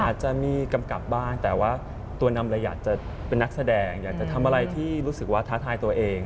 อาจจะมีกำกับบ้างแต่ว่าตัวนำเลยอยากจะเป็นนักแสดงอยากจะทำอะไรที่รู้สึกว่าท้าทายตัวเอง